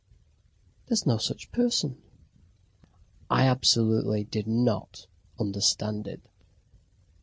"There's no such person." I absolutely did not understand it.